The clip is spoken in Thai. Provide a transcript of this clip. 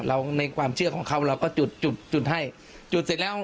ในความเชื่อของเขาเราก็จุดจุดจุดให้จุดเสร็จแล้ว